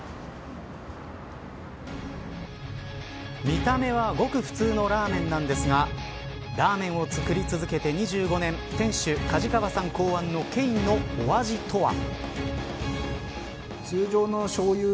見た目はごく普通のラーメンなんですがラーメンを作り続けて２５年店主、梶川さん考案のケインのお味とは。